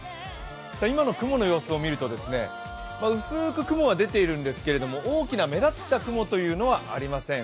今の雲の様子を見ると、薄く雲は出ているんですが、大きな目立った雲というのはありません。